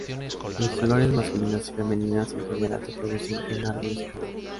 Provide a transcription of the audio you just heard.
Las flores masculinas y femeninas en general se producen en árboles separados.